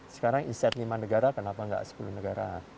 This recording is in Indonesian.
sekarang iset lima negara kenapa nggak sepuluh negara